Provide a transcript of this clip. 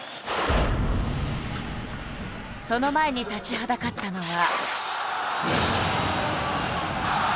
その前に立ちはだかったのは。